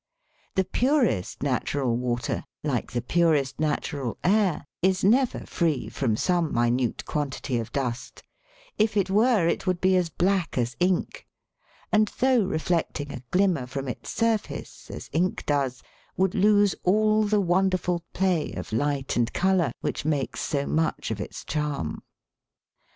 The purest natural water, like the purest natural air, is never free from some minute quantity of dust ; if it were it would be as black as ink, and, though reflecting a glimmer from its surface, as ink does, would lose all the wonderful play of light and colour which makes so much of its charm.